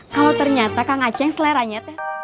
kalau ternyata kang aceh seleranya